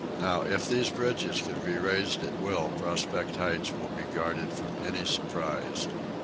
Now, if these bridges can be raised at will, Prospect Heights will be guarded from any surprise."